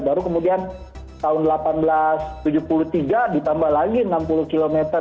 baru kemudian tahun seribu delapan ratus tujuh puluh tiga ditambah lagi enam puluh km